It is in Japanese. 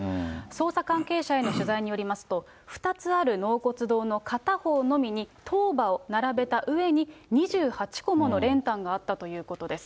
捜査関係者への取材によりますと、２つある納骨堂の片方のみに塔婆を並べた上に、２８個もの練炭があったということです。